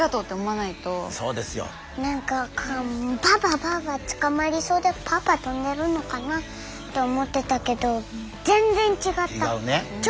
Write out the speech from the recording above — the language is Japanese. なんかパッパッつかまりそうでパッパッ飛んでるのかなって思ってたけど全然ちがった！